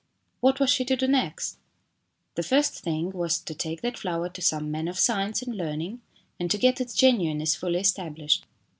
What was she to do next ? The first thing was to take that flower to some man of science and learning and to get its genuineness fully established.